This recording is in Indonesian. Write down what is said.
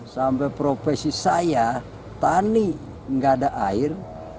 sampai profesi saya tani nggak ada air